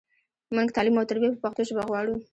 مونږ تعلیم او تربیه په پښتو ژبه غواړو.